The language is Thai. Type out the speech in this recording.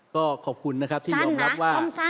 ก็ขอบคุณนะครับที่ยอมรับว่า